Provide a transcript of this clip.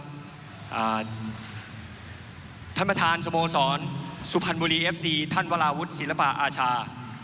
ท่านประธานสโมสรสุพรรณบุรีเอฟซีท่านวราวุฒิศิลปะอาชา